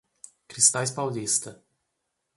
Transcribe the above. Cristais Paulista